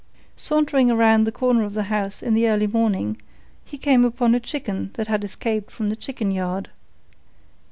Sauntering around the corner of the house in the early morning, he came upon a chicken that had escaped from the chicken yard.